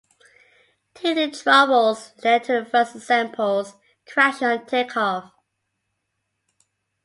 Teething troubles led to the first two examples crashing on takeoff.